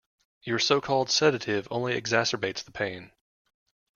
Your so-called sedative only exacerbates the pain.